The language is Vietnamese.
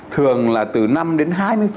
thường là từ năm đến hai mươi